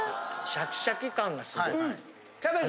シャキシャキ感がすごいうまい。